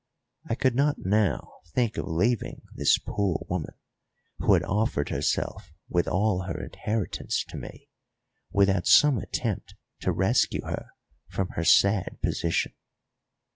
I could not now think of leaving this poor woman, who had offered herself with all her inheritance to me, without some attempt to rescue her from her sad position.